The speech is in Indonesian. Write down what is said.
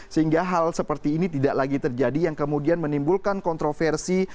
sehingga hal seperti ini tidak lagi terjadi yang kemudian menimbulkan kontroversi